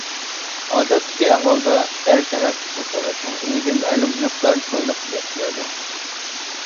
ئادەتتىكى ئەھۋالدا، ئەر تەرەپ قىز تەرەپنىڭ ئۆيىگە مەلۇم مىقداردا تويلۇق بېرىدۇ.